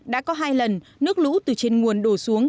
đã có hai lần nước lũ từ trên nguồn đổ xuống